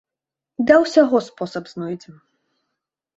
Да ўсяго спосаб знойдзем.